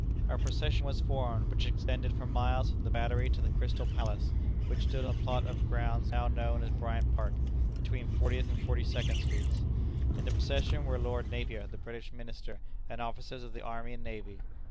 A procession was formed which extended for miles from the Battery to the Crystal Palace, which stood on the plot of ground now known as Bryant Park, between Fortieth and Forty second streets. In the procession were Lord Napier, the British Minister, and officers of the army and navy.